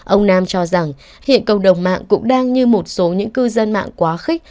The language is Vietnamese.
ông nam cho rằng hiện cộng đồng mạng cũng đang như một số những cư dân mạng quá khích